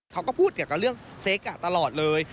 เขาก็พูดต่จะกับเรื่องเชคตลอดเลย